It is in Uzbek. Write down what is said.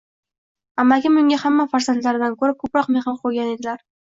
Amakim unga hamma farzandlaridan ko`ra ko`proq mehr qo`ygan edilar